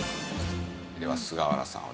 では菅原さん